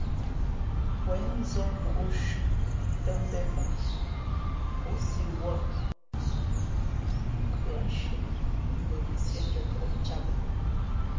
Wěn nzᾱ mǒ shʉ̄ tᾱ mbēn moʼ, ǒ si wᾱʼ khʉάnshie mbα mα sīēndʉ̄ᾱ kαʼ cāt bᾱ.